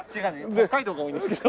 北海道が多いんですけど。